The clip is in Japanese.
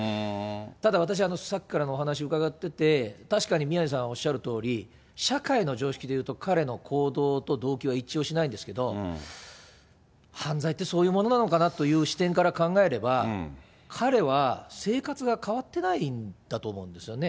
ただ、私はさっきからのお話伺っていて、確かに宮根さんおっしゃるとおり、社会の常識でいうと、彼の行動と動機は一致をしないんですけど、犯罪ってそういうものなのかなという視点から考えれば、彼は生活が変わってないんだと思うんですよね。